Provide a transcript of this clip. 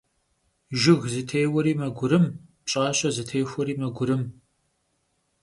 Jjıg zıtêueri megurım, pş'aşe zıtêxueri megurım.